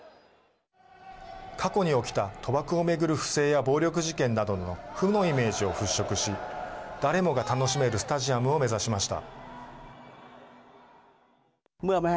過去に起きた賭博を巡る不正や暴力事件などの負のイメージを払拭し誰もが楽しめるスタジアムを目指しました。